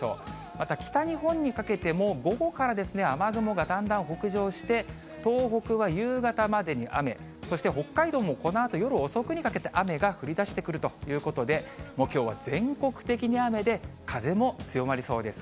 また北日本にかけても、午後から雨雲がだんだん北上して、東北は夕方までに雨、そして北海道もこのあと夜遅くにかけて、雨が降りだしてくるということで、もうきょうは全国的に雨で、風も強まりそうです。